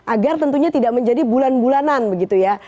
agar tentunya tidak menjadi bulan bulanan begitu ya